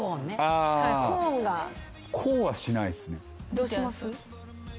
どうします？